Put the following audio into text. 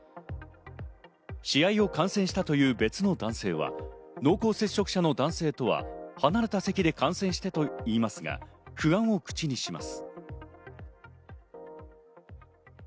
試合を観戦したという別の男性は濃厚接触者の男性とは離れた席で観戦したといいますが、不安を口にします。